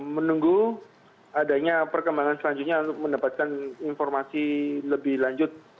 menunggu adanya perkembangan selanjutnya untuk mendapatkan informasi lebih lanjut